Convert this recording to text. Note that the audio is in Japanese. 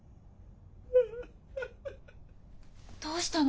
どうしたの？